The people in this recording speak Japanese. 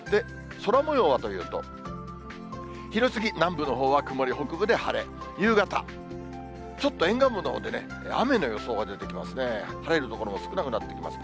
空もようはというと、昼過ぎ、南部のほうは曇り、北部で晴れ、夕方、ちょっと沿岸部のほうでね、雨の予想が出てきますね。